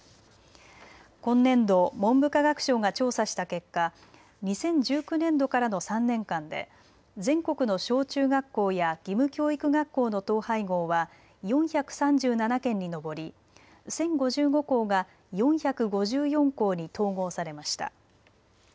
今年度、文部科学省が調査した結果、２０１９年度からの３年間で全国の小中学校や義務教育学校の統廃合は４３７件に上り１０５５校が４５４校に統合されました。